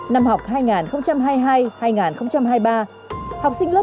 năm học hai nghìn hai mươi hai hai nghìn hai mươi ba học sinh lớp một mươi cả nước sẽ bắt đầu học